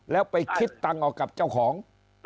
แล้วไปคิดตังค์เอากับเจ้าของ